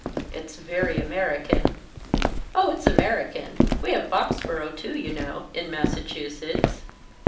"It's very American." "Oh, it's American. We have Boxboro' too, you know, in Massachusetts."